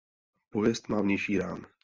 Pojezd má vnější rám.